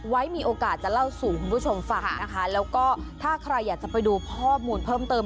มีโอกาสจะเล่าสู่คุณผู้ชมฟังนะคะแล้วก็ถ้าใครอยากจะไปดูข้อมูลเพิ่มเติม